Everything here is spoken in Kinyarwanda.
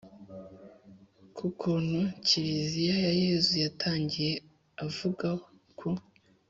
ku kuntu kiliziya ya yezu yatangiye, avuga ku